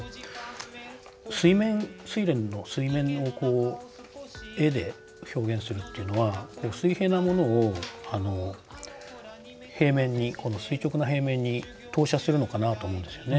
水面「睡蓮」の水面の絵で表現するっていうのは水平なものを平面に垂直な平面に投射するのかなと思うんですよね。